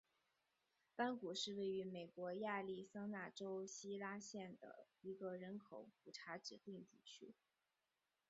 弯谷是位于美国亚利桑那州希拉县的一个人口普查指定地区。